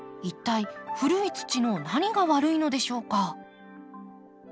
一体古い土の何が悪いのでしょうか？